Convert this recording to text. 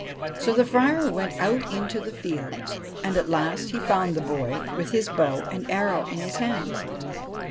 So the Friar went out into the fields and at last found the boy, with his bow and arrow in his hands.